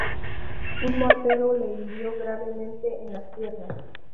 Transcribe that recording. Un mortero le hirió gravemente en las piernas.